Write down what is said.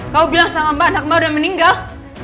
kamu bilang sama mbak anak mbak udah meninggal